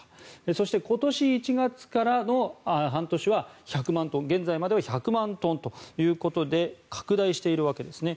そして、今年１月からの半年は現在までは１００万トンということで拡大しているわけですね。